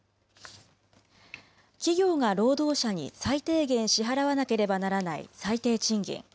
企業が労働者に最低限支払わなければならない最低賃金。